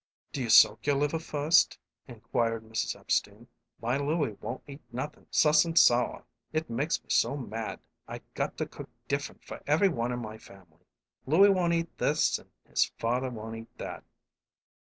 '" "Do you soak your liver first?" inquired Mrs. Epstein. "My Louie won't eat nothin' suss und sauer. It makes me so mad. I got to cook different for every one in my family. Louie won't eat this and his father won't eat that!"